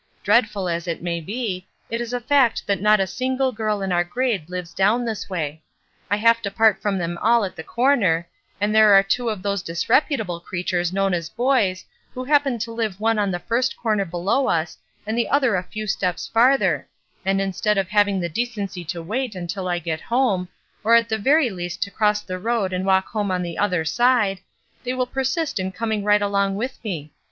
Dreadful as it may be, it is a fact that not a single girl in our grade THORNS 43 lives down this way. I have to part from them all at the corner, and there are two of those disreputable creatures known as boys who happen to live one on the first corner below us and the other a few steps farther, and in stead of having the decency to wait until I get home, or at the very least to cross the road and walk home on the other side, they will persist in coming right along with me.